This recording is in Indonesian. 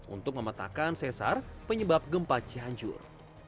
untuk memetakan sesar penyebab gempa cianjur